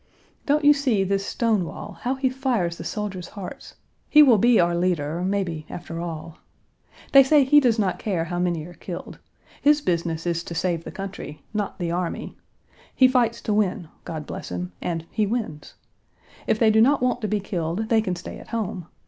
Don't you see this Stonewall, how he fires the soldiers' hearts; he will be our leader, maybe after all. They say he does not care how many are killed. His business is to save the country, not the army. He fights to win, God bless him, and he wins. If they do not want to be killed, they can stay at home.